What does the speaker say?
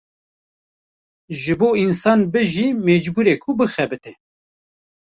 Ji bo însan bijî mecbûre ku bixebite.